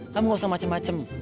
kamu gak usah macem macem